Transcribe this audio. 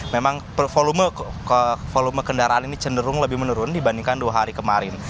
memang volume kendaraan ini cenderung lebih menurun dibandingkan dua hari kemarin